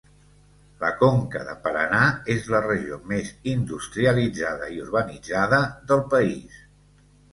La conca de Paraná és la regió més industrialitzada i urbanitzada del país.